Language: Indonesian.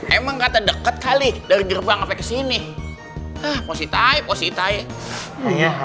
emang kata deket kali dari gerbang sampai ke sini positif positif